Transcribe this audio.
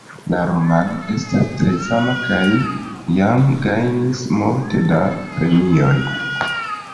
La romano estas tre fama kaj jam gajnis multe da premioj.